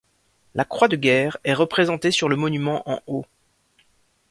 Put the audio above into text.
La Croix de guerre est représentée sur le monument, en haut.